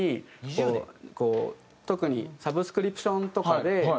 特にサブスクリプションとかで。